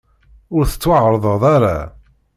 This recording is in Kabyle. Ur tettwaɛerḍeḍ ara.